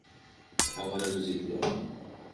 আবার আমি জিতলাম।